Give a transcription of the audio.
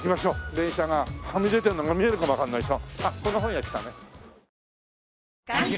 電車がはみ出てるのが見えるかもわかんないでしょ。